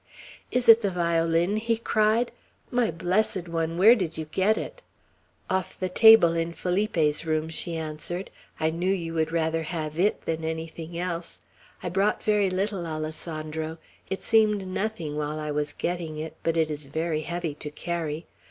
"Is it the violin?" he cried. "My blessed one, where did you get it?" "Off the table in Felipe's room," she answered. "I knew you would rather have it than anything else. I brought very little, Alessandro; it seemed nothing while I was getting it; but it is very heavy to carry.